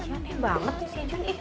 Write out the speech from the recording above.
aneh banget sih jun